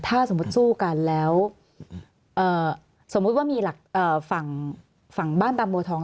ถ้าสมมุติสู้กันแล้วสมมุติว่ามีฝั่งบ้านบางบัวทอง